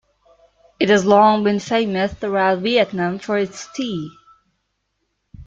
It has long been famous throughout Vietnam for its tea.